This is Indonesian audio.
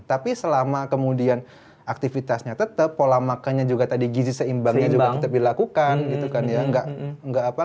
tapi selama kemudian aktivitasnya tetap pola makannya juga tadi gizi seimbangnya juga tetap dilakukan gitu kan ya